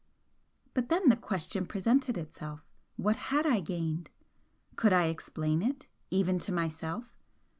But then the question presented itself What had I gained? Could I explain it, even to myself?